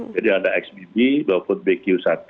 jadi ada xbb bapak bq satu